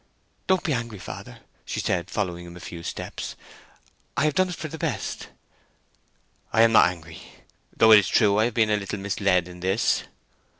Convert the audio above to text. "Don't be angry, father," she said, following him a few steps. "I have done it for the best." "I am not angry, though it is true I have been a little misled in this.